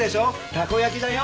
たこ焼きだよ。